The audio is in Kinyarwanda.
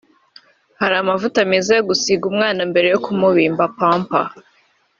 Hari amavuta meza yo gusiga umwana mbere yo kumubinda (Pampers)